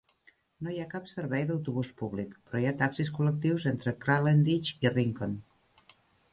No hi ha cap servei d'autobús públic, però hi ha taxis col·lectius entre Kralendijk i Rincon.